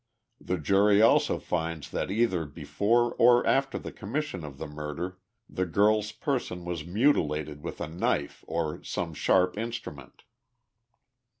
The jury also find that either before or after the commission of the murder the girl's person was mutilated with a knife or some sharp instrument."